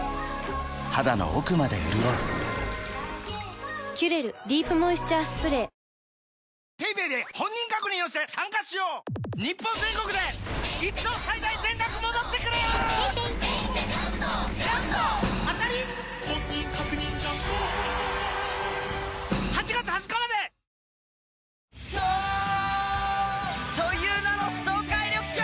肌の奥まで潤う「キュレルディープモイスチャースプレー」颯という名の爽快緑茶！